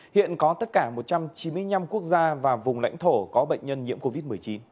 hiện có tất cả một trăm chín mươi năm quốc gia và vùng lãnh thổ có bệnh nhân nhiễm covid một mươi chín